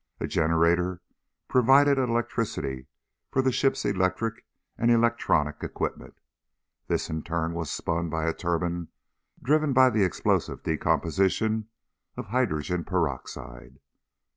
A generator provided electricity for the ship's electric and electronic equipment; this in turn was spun by a turbine driven by the explosive decomposition of hydrogen peroxide.